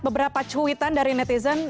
beberapa cuitan dari netizen